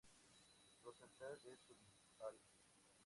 Rosenthal es judía.